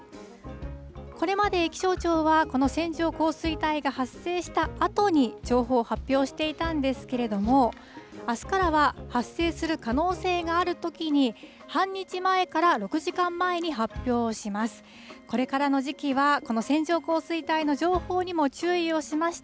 これまで気象庁は、この線状降水帯が発生したあとに情報を発表していたんですけれども、あすからは発生する可能性があるときに、半日前から６時間前に発表をします。